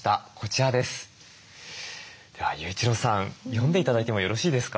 では雄一郎さん読んで頂いてもよろしいですか。